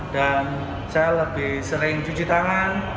dan saya lebih sering cuci tangan